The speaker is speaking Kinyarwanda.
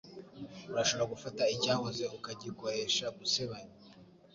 Urashobora gufata icyahoze ukagikoresha gusebanya